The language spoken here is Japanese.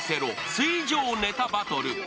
水上ネタバトル」。